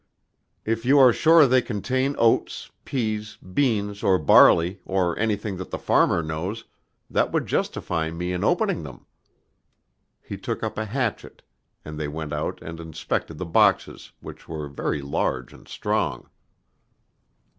"If you are sure they contain oats, peas, beans, or barley, or anything that the farmer knows, that would justify me in opening them." He took up a hatchet, and they went out and inspected the boxes, which were very large and strong.